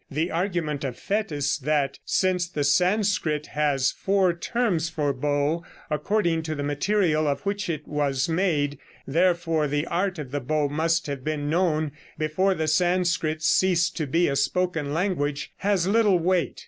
The argument of Fétis, that since the Sanskrit has four terms for bow, according to the material of which it was made, therefore the art of the bow must have been known before the Sanskrit ceased to be a spoken language, has little weight.